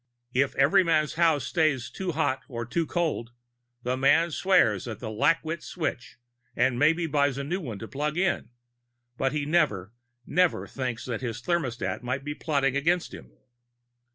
If Everyman's house stays too hot or too cold, the man swears at the lackwit switch and maybe buys a new one to plug in. But he never, never thinks that his thermostat might be plotting against him.